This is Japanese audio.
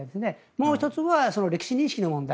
もう１つは歴史認識の問題